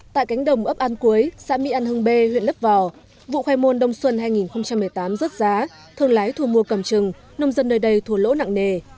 tại cánh đồng ấp an cúi xã mỹ an hưng bê huyện lấp vò vụ khoai môn đông xuân hai nghìn một mươi tám rớt giá thương lái thu mua cầm trừng nông dân nơi đây thua lỗ nặng nề